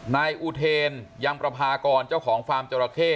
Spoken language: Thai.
นายอุเทนยังประพากรเจ้าของฟาร์มจราเข้